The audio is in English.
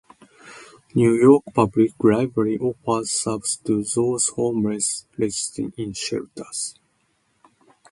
New York Public Library offers services to those homeless residing in shelters.